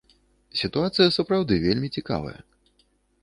Сітуацыя сапраўды вельмі цікавая.